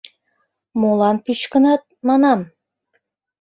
Молан пӱчкынат, манам?